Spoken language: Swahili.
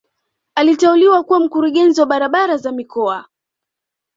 Aliteuliwa kuwa mkurugenzi wa barabara za mikoa